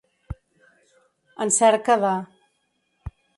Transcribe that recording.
En cerca de.